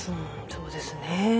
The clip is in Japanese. そうですね。